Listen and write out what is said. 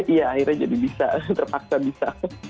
iya akhirnya jadi bisa terpaksa bisa